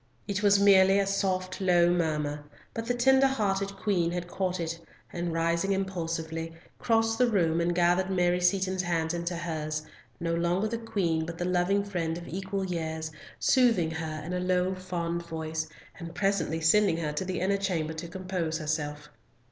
It was merely a soft low murmur, but the tender hearted Queen had caught it, and rising impulsively, crossed the room and gathered Mary Seaton's hands into hers, no longer the queen but the loving friend of equal years, soothing her in a low fond voice, and presently sending her to the inner chamber to compose herself.